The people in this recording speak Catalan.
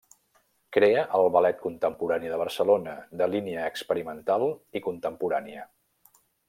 Crea el Ballet Contemporani de Barcelona de línia experimental i contemporània.